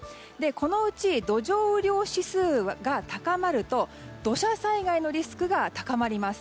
このうち土壌雨量指数が高まると土砂災害のリスクが高まります。